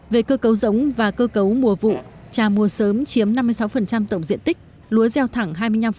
về cơ cấu giống và cơ cấu mùa vụ trà mùa sớm chiếm năm mươi sáu tổng diện tích lúa gieo thẳng hai mươi năm